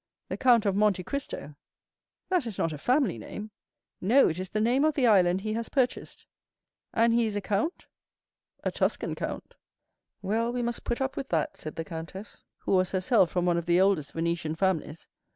"The Count of Monte Cristo." "That is not a family name?" "No, it is the name of the island he has purchased." "And he is a count?" "A Tuscan count." "Well, we must put up with that," said the countess, who was herself from one of the oldest Venetian families.